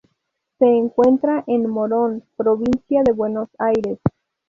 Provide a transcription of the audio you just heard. Se encuentra en Morón, provincia de Buenos Aires.